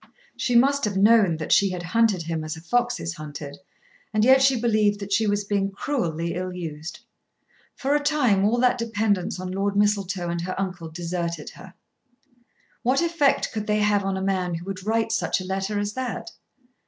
She must have known that she had hunted him as a fox is hunted; and yet she believed that she was being cruelly ill used. For a time all that dependence on Lord Mistletoe and her uncle deserted her. What effect could they have on a man who would write such a letter as that?